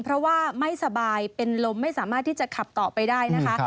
เพราะว่าไม่สบายเป็นลมไม่สามารถที่จะขับต่อไปได้นะคะ